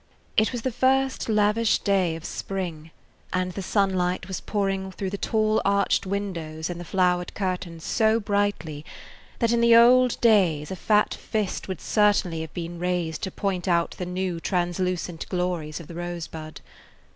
It was the first lavish day of spring, and the sunlight was pouring through the tall, arched windows and the flowered curtains so brightly that in the old days a fat fist would certainly have been raised to point out the new, translucent glories of the rosebud.